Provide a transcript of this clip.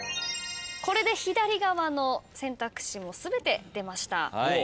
これで左側の選択肢も全て出ました。